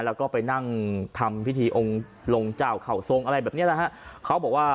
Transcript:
แล้วก็ไปนั่งทำพิธีองค์ลงเจ้าเข่าทรงอะไรแบบเนี้ยนะฮะเขาบอกว่า